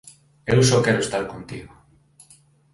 Eu só quero estar contigo